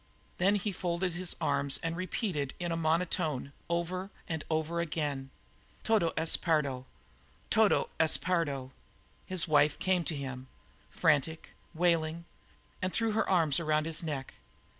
Then he had folded his arms and repeated in a monotone, over and over again: "Todo es perdo; todo es perdo!" His wife came to him, frantic, wailing, and threw her arms around his neck.